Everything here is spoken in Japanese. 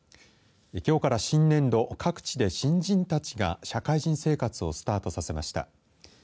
きょうから新年度各地で新人たちが社会人生活をスタートさせました。